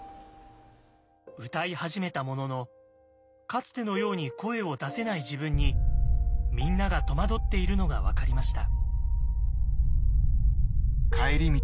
歌い始めたもののかつてのように声を出せない自分にみんなが戸惑っているのが分かりました。